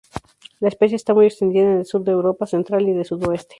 La especie está muy extendida en el sur de Europa Central y del Sudoeste.